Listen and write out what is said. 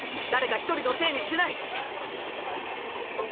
誰か１人のせいにしない。